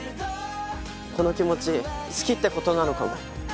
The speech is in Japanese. この気持ち好きって事なのかも。